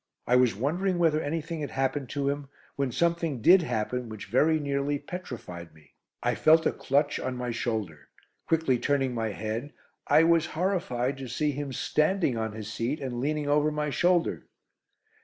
I was wondering whether anything had happened to him, when something did happen which very nearly petrified me. I felt a clutch on my shoulder. Quickly turning my head, I was horrified to see him standing on his seat and leaning over my shoulder.